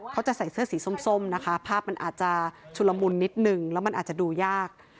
เขาจะใส่เสื้อสีส้มนะคะภาพมันอาจจะชุลมุนนิดนึงแล้วมันอาจจะดูยาก